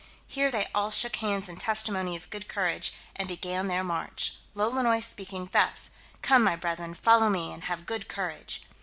Here they all shook hands in testimony of good courage, and began their march, Lolonois speaking thus, "Come, my brethren, follow me, and have good courage."